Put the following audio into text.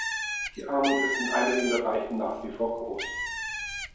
Die Armut ist in einigen Bereichen nach wie vor groß.